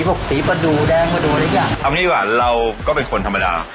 พวกสีประดูกแดงประดูอะไรอย่างเอางี้ดีกว่าเราก็เป็นคนธรรมดา